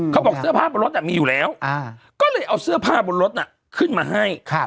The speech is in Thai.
เขาบอกเสื้อผ้าบนรถมีอยู่แล้วก็เลยเอาเสื้อผ้าบนรถขึ้นมาให้